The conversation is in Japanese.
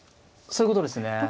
そういうことですね。